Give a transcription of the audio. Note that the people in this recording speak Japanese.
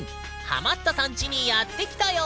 ハマったさんちにやって来たよ！